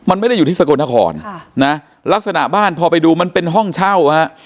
มันไม่ได้อยู่ที่สกลนครค่ะนะลักษณะบ้านพอไปดูมันเป็นห้องเช่าฮะ